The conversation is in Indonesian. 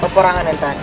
peperangan yang tadi